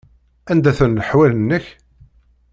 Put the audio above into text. Anda-ten leḥwal-nnek?